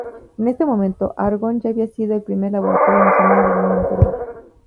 En este momento, Argonne ya había sido el primer laboratorio nacional del año anterior.